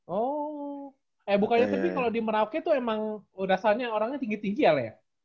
oh eh bukannya tapi kalau di merauke tuh emang dasarnya orangnya tinggi tinggi ya lah ya